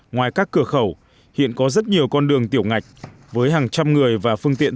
ngoài các cửa khẩu hiện có rất nhiều con đường tiểu ngạch với hàng trăm người và phương tiện